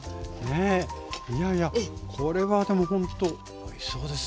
いやいやこれはでもほんとおいしそうですね。